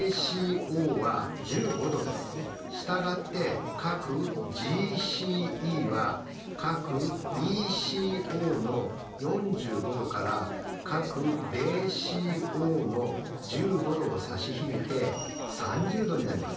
従って角ＧＣＥは角ＥＣＯの４５°から角ＤＣＯの１５°を差し引いて３０°になります。